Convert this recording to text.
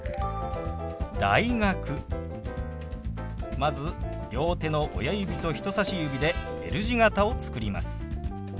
まず両手の親指と人さし指でＬ字形を作ります。